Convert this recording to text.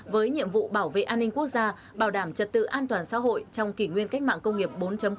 với nhiệm vụ bảo vệ an ninh quốc gia bảo đảm trật tự an toàn xã hội trong kỷ nguyên cách mạng công nghiệp bốn